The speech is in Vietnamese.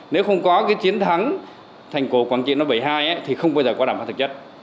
nếu không có chiến thắng thành cổ quảng triện năm một nghìn chín trăm bảy mươi hai thì không bao giờ có đảm phán thực chất